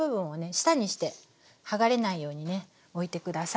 下にして剥がれないようにね置いて下さい。